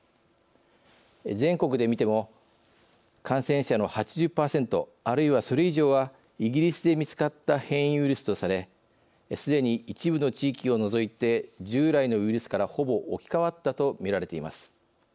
全国で見ても感染者の８０％あるいはそれ以上はイギリスで見つかった変異ウイルスとされすでに「一部の地域を除いて従来のウイルスからほぼ置き換わった」とみられています。